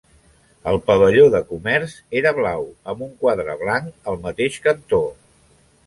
El pavelló de comerç era blau amb un quadre blanc al mateix cantó.